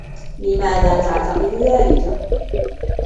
لماذا تعتقد ذلك ؟